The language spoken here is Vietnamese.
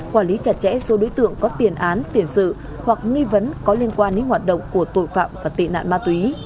quản lý chặt chẽ số đối tượng có tiền án tiền sự hoặc nghi vấn có liên quan đến hoạt động của tội phạm và tị nạn ma túy